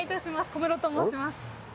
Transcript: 小室と申します。